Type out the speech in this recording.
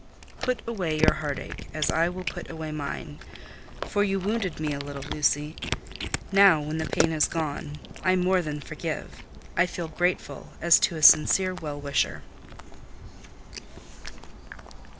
"Put away your heart ache, as I will put away mine; for you wounded me a little, Lucy. Now, when the pain is gone, I more than forgive: I feel grateful, as to a sincere well wisher."